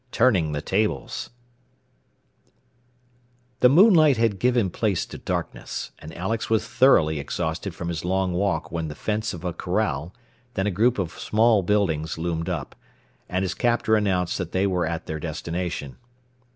XXI TURNING THE TABLES The moonlight had given place to darkness, and Alex was thoroughly exhausted from his long walk when the fence of a corral, then a group of small buildings, loomed up, and his captor announced that they were at their destination.